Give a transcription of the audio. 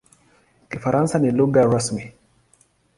Kifaransa ni lugha rasmi.